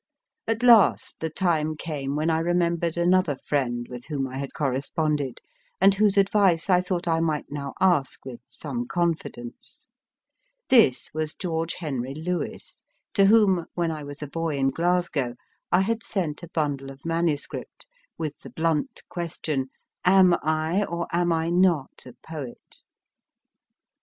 At last the time came when I remembered another friend \vith whom 1 had corresponded, and whose advice I thought I might now ask with some con fidence. This was George Henry Lewes, to whom, when I was a boy in Glasgow , I had sent a bundle of manuscript, with the blunt question, Am I, or am I not, a Poet ?